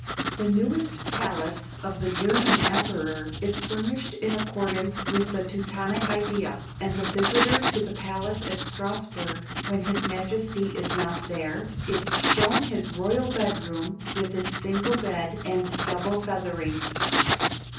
The newest palace of the German emperor is furnished in accordance with the Teutonic idea, and the visitor to the palace at Strasburg, when his majesty is not there, is shown his royal bed room with its single bed and double featherings.